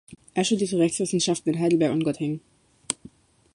Er studierte Rechtswissenschaften in Heidelberg und Göttingen.